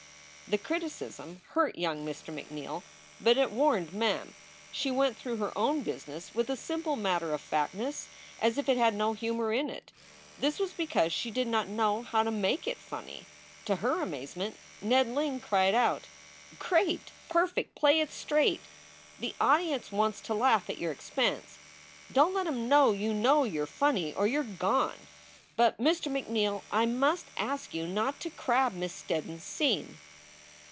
The criticism hurt young Mr. McNeal, but it warned Mem. She went through her own business with a simple matter of factness as if it had no humor in it. This was because she did not know how to make it funny. To her amazement, Ned Ling cried out: "Great! Perfect! Play it straight! The audience wants to laugh at your expense. Don t let em know you know you re funny, or you re gone. But, Mr. McNeal, I must ask you not to crab Miss Steddon s scene."